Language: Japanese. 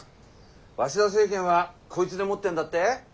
鷲田政権はこいつでもってんだって。